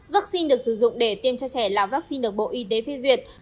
vaccine được sử dụng để tiêm cho trẻ là vaccine được bộ y tế phê duyệt